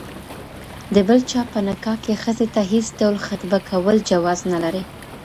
د بل چا په نکاح کي ښځي ته هيڅ ډول خِطبه کول جواز نلري